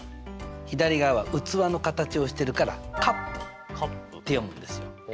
左側は器の形をしてるから「カップ」って読むんですよ。